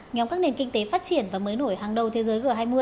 nhóm các nền kinh tế phát triển và mới nổi hàng đầu thế giới g hai mươi